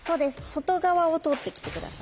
外側を通ってきて下さい。